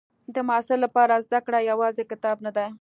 د محصل لپاره زده کړه یوازې کتاب نه ده.